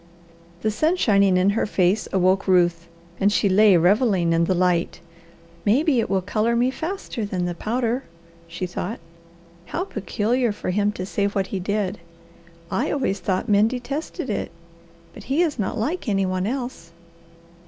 The sun shining in her face awoke Ruth and she lay revelling in the light. "Maybe it will colour me faster than the powder," she thought. "How peculiar for him to say what he did! I always thought men detested it. But he is not like any one else."